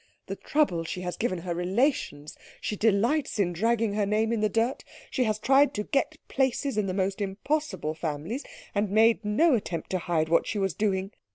"The trouble she has given her relations! She delights in dragging her name in the dirt. She has tried to get places in the most impossible families, and made no attempt to hide what she was doing.